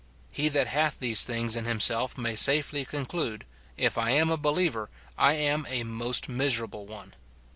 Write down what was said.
He that hath these things in himself may safely conclude, " If I am a believer, I am a most miserable one."